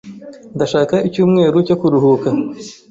Ndashaka icyumweru cyo kuruhuka.